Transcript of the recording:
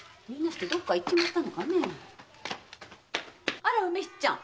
あら梅七ちゃん。